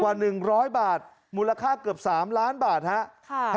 กว่าหนึ่งร้อยบาทมูลค่าเกือบสามล้านบาทฮะค่ะ